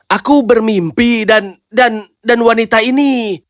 aku bermimpi dan wanita ini